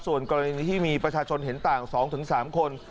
ส่วนกรณีที่มีประชาชนเห็นต่าง๒๓คน